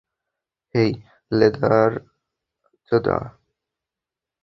হেই, লেদারচোদা।